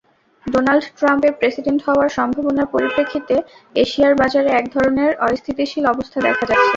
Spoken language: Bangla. ডোনাল্ড ট্রাম্পের প্রেসিডেন্ট হওয়ার সম্ভাবনার পরিপ্রেক্ষিতে এশিয়ার বাজারে একধরনের অস্থিতিশীল অবস্থা দেখা যাচ্ছে।